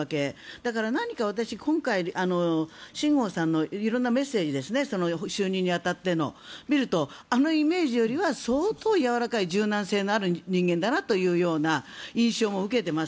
だから私、今回シン・ゴウさんの色んな就任に当たってのメッセージを射るとあのイメージよりは相当やわらかい柔軟性のある人間なんだなという印象も受けています。